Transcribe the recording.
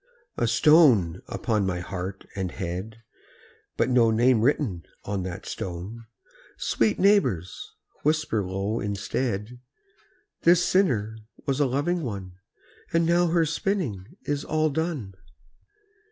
A stone upon my heart and head, But no name written on the stone! Sweet neighbours, whisper low instead, "This sinner was a loving one, And now her spinning is all done."